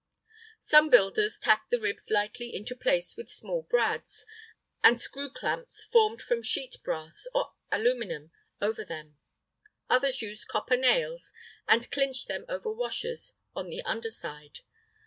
Some builders tack the ribs lightly into place with small brads, and screw clamps formed from sheet brass or aluminum over them. Others use copper nails and clinch them over washers on the under side.